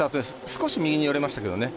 少し右に寄れましたけどね。